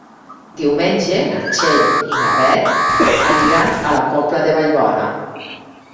Diumenge na Txell i na Beth aniran a la Pobla de Vallbona.